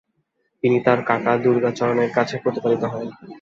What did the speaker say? তিনি তার কাকা দুর্গাচরণের কাছেই প্রতিপালিত হন।